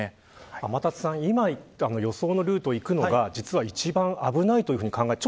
天達さん、今言った予想のルートをいくのが実は一番危ないと考えてますか。